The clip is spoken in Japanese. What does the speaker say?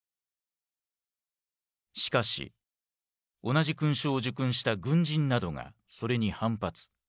しかし同じ勲章を受勲した軍人などがそれに反発。